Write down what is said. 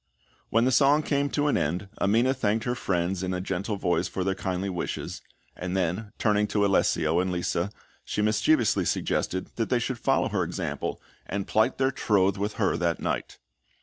When the song came to an end Amina thanked her friends in a gentle voice for their kindly wishes; and then, turning to Alessio and Lisa, she mischievously suggested that they should follow her example and plight their troth with her that night.